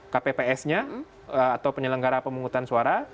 kpps nya atau penyelenggara pemungutan suara